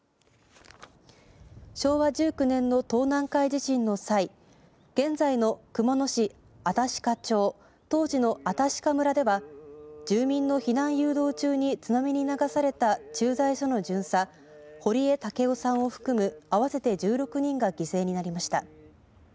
昭和１９年の東南海地震の際現在の熊野市新鹿町当時の新鹿村では住民の避難誘導中に津波に流された駐在所の巡査、堀江武雄さんを含む、あわせて１６人が犠牲になりました。